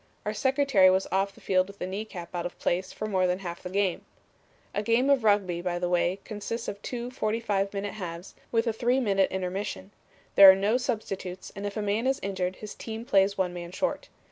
Our secretary was off the field with a knee cap out of place for more than half the game. A game of Rugby, by the way, consists of two 45 minute halves, with a three minute intermission. There are no substitutes, and if a man is injured, his team plays one man short.